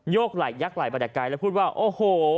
กไหลยักษไหลมาแต่ไกลแล้วพูดว่าโอ้โห